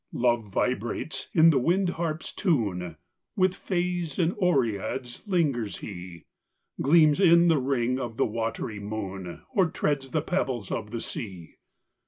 Love vibrates in the wind harp s tune With fays and oreads lingers he Gleams in th ring of the watery moon, Or treads the pebbles of the sea.